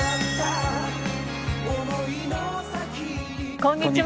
こんにちは。